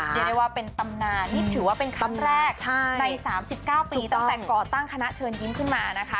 เรียกได้ว่าเป็นตำนานนี่ถือว่าเป็นครั้งแรกใน๓๙ปีตั้งแต่ก่อตั้งคณะเชิญยิ้มขึ้นมานะคะ